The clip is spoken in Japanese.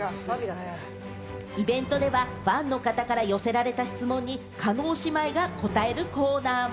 イベントではファンの方から寄せられた質問に叶姉妹が答えるコーナーも。